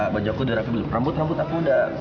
baju aku udah rafi belum rambut rambut aku udah